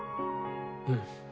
うん。